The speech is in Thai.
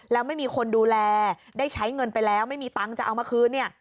แล้วไม่มีคนดูแลได้ใช้เงินไปแล้วไม่มีตังค์จะเอามาคืนเนี่ย